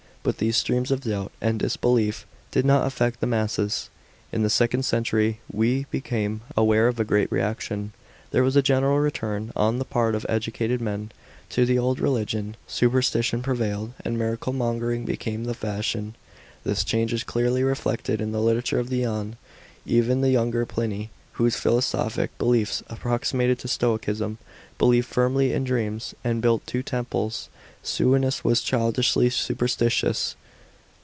But these streams of doubt and disbelief <*id not affect the masses. In the second century we become aware of a great reaction. There was a general return, on the part of educated men, to the old religion. Superstition prevailed, and miracle monger ing became the fa h ion. This change is clearly reflected in the literature of the ane. Even the younger Pliny, whose philosophic beliefs approximated to Stoicism, believed firmly in dreams, and built two temples. Sue'onius was childishly superstitious.